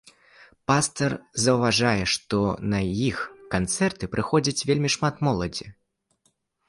Пастар заўважае, што на іх канцэрты прыходзіць вельмі шмат моладзі.